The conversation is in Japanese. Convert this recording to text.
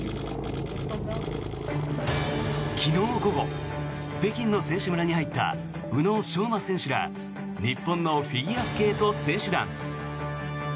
昨日午後北京の選手村に入った宇野昌磨選手ら日本のフィギュアスケート選手団。